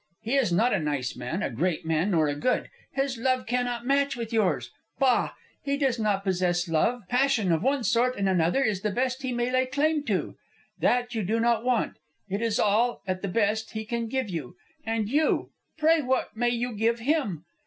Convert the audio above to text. He is not a nice man, a great man, nor a good. His love cannot match with yours. Bah! He does not possess love; passion, of one sort and another, is the best he may lay claim to. That you do not want. It is all, at the best, he can give you. And you, pray what may you give him?